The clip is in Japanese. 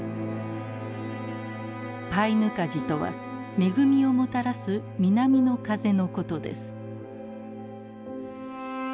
「パイヌカジ」とは恵みをもたらす南の風のことです。